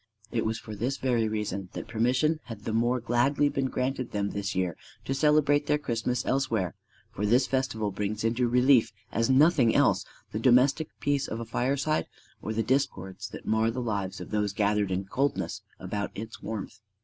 It was for this very reason that permission had the more gladly been granted them this year to celebrate their Christmas elsewhere; for this festival brings into relief as nothing else the domestic peace of a fireside or the discords that mar the lives of those gathered in coldness about its warmth.